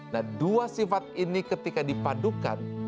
nah dua sifat ini ketika dipadukan